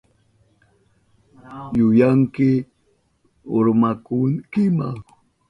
Yuyanki urmahunkima.